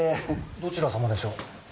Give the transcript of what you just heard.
どちら様でしょう？